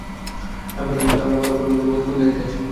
আমি বললাম, আর মালাকুল মউত কোন দায়িত্বে আছেন?